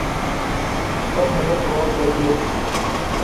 Tir li bin goha ketiye